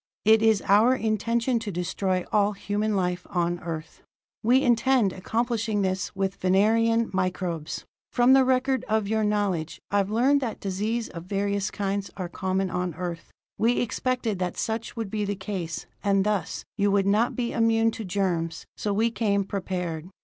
It is our intention to destroy all human life on Earth! "We intend accomplishing this with Venerian microbes. From the record of your knowledge, I've learned that diseases of various kinds are common on Earth. We expected that such would be the case, and thus, you would not be immune to germs, so we came prepared.